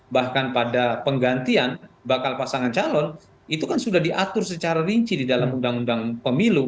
bahkan pada penggantian bakal pasangan calon itu kan sudah diatur secara rinci di dalam undang undang pemilu